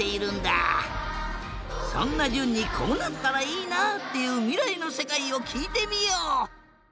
そんなじゅんにこうなったらいいなっていうみらいのせかいをきいてみよう。